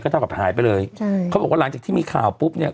เท่ากับหายไปเลยใช่เขาบอกว่าหลังจากที่มีข่าวปุ๊บเนี้ย